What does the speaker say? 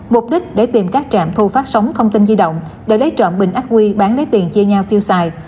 mục đích để tìm các trạm thu phát sóng thông tin di động để lấy trộm bình ác quy bán lấy tiền chia nhau tiêu xài